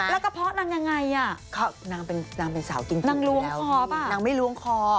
แล้วก็เพราะนางยังไงอ่ะนางเป็นสาวจริงนางล้วงคอป่ะนางไม่ล้วงคอ